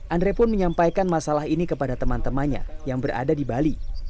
andre pun menyampaikan masalah ini kepada teman temannya yang berada di bali